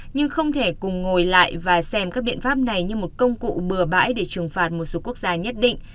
nhưng không thể cùng ngồi lại và xem các biện pháp này như một công cụ bừa bãi để trừng phạt một số quốc gia nhất định